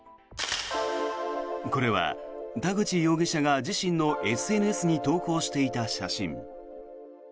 これは田口容疑者が自身のＳＮＳに投稿していた写真。